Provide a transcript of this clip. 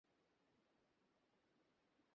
তুই প্রতিযোগিতায় এন্ট্রি করবি!